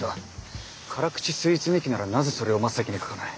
辛口スイーツ日記ならなぜそれを真っ先に書かない。